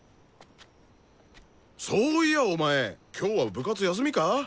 そういやお前今日は部活休みか？